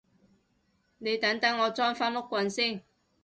你等等我裝返碌棍先